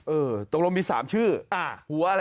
เออตรงรวมมี๓ชื่อหัวอะไรนะ